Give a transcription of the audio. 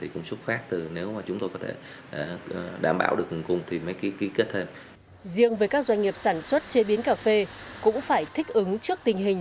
các doanh nghiệp sản xuất chế biến cà phê cũng phải thích ứng trước tình hình